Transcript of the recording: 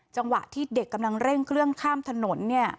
จังหวะที่เด็กกำลังเร่งเครื่องข้ามถนนเนี่ย